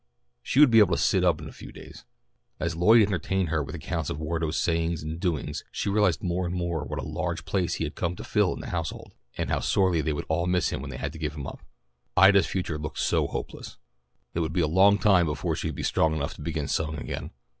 She would be able to sit up in a few days. As Lloyd entertained her with accounts of Wardo's sayings and doings she realized more and more what a large place he had come to fill in the household, and how sorely they would all miss him when they had to give him up. Ida's future looked so hopeless. It would be a long time before she would be strong enough to begin sewing again.